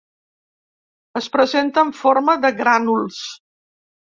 Es presenta en forma de grànuls.